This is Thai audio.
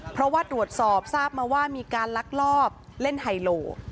เพราะว่าตรวจสอบทราบมาว่ามีการลักลอบเล่นไฮโล